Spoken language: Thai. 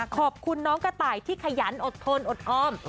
ขอบคุณน้องกระต่ายที่ขยันอดทนอดออม